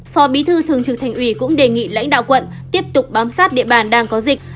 phó bí thư thường trực thành ủy cũng đề nghị lãnh đạo quận tiếp tục bám sát địa bàn đang có dịch